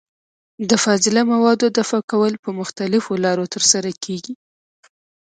د فاضله موادو دفع کول په مختلفو لارو ترسره کېږي.